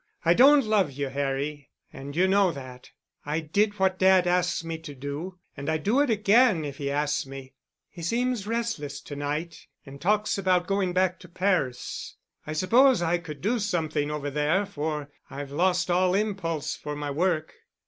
I don't love you, Harry, and you know that. I did what Dad asked me to do and I'd do it again if he asked me. "He seems restless to night, and talks about going back to Paris. I suppose I could do something over there for I've lost all impulse for my work.